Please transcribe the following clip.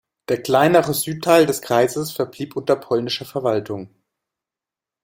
Der kleinere Südteil des Kreises verblieb unter polnischer Verwaltung.